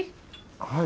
はい。